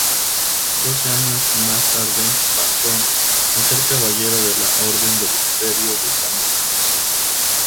Doce años más tarde pasó a ser Caballero de la Orden del Imperio Británico.